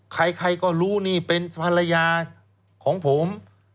ใครก็รู้นี่เป็นภรรยาของผม